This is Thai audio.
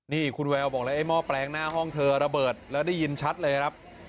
นี่คุณแววบอกเลยไอ้หม้อแปลงหน้าห้องเธอระเบิดแล้วได้ยินชัดเลยครับ